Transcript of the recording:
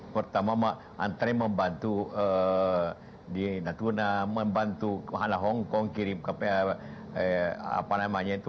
pertama antre membantu di natuna membantu kemana hongkong kirim ke pr apa namanya itu